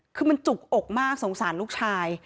คือมันจุกอกมากสงสารลูกชาย